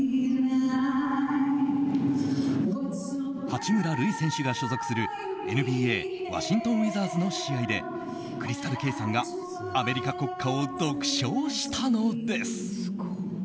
八村塁選手が所属する、ＮＢＡワシントン・ウィザーズの試合でＣｒｙｓｔａｌＫａｙさんがアメリカ国歌を独唱したのです。